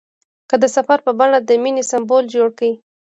هغه د سفر په بڼه د مینې سمبول جوړ کړ.